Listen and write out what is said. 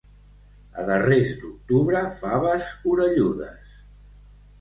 A darrers d'octubre, faves orelludes.